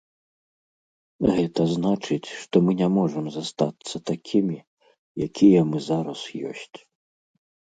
Гэта значыць, што мы не можам застацца такімі, якія мы зараз ёсць.